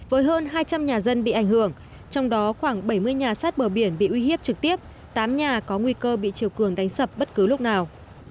với hơn hai trăm linh nhà dân bị ảnh hưởng trong đó khoảng bảy mươi nhà sát bờ biển bị uy hiếp trực tiếp tám nhà có nguy cơ bị triều cường đánh sập bất cứ lúc nào